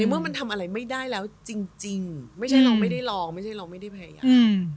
เมื่อมันทำอะไรไม่ได้แล้วจริงไม่ใช่เราไม่ได้ลองไม่ใช่เราไม่ได้พยายาม